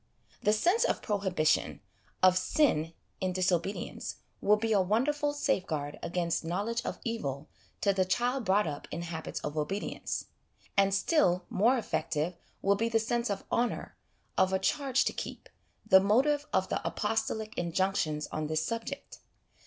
The sense of prohibition, of sin in dis obedience, will be a wonderful safeguard against knowledge of evil to the child brought up in habits of obedience; and still more effective will be the sense of honour, of a charge to keep the motive of the apostolic injunctions on this subject.